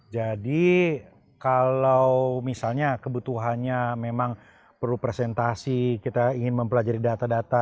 jadi kalau misalnya kebutuhannya memang perlu presentasi kita ingin mempelajari data data